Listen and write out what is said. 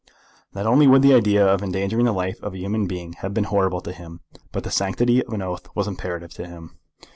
Not only would the idea of endangering the life of a human being have been horrible to him, but the sanctity of an oath was imperative to him.